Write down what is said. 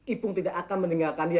ipung tidak akan meninggalkan dia